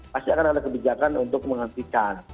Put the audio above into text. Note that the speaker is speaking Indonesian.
pasti akan ada kebijakan untuk menghentikan